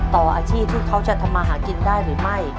ต่ออาชีพที่เขาจะทำมาหากินได้หรือไม่